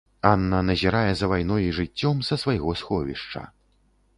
Анна назірае за вайной і жыццём са свайго сховішча.